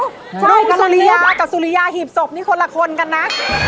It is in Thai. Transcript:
ลูกลุ้งสุริยากับสุริยาหีบศพนี่คนละคนกันนะ